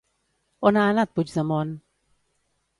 On ha anat Puigdemont?